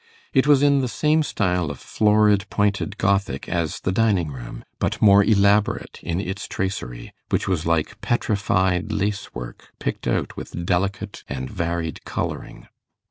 It was in the same style of florid pointed Gothic as the dining room, but more elaborate in its tracery, which was like petrified lace work picked out with delicate and varied colouring.